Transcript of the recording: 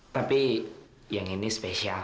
tapi yang ini spesial